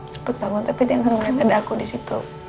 seperti bangun tapi dia gak ngeliat ada aku di situ